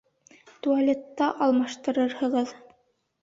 Туалетта алмаштырырһығыҙ.